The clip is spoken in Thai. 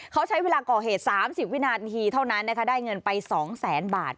เขาใช้เวลาก่อเหตุ๓๐วินาทีเท่านั้นนะคะได้เงินไป๒แสนบาท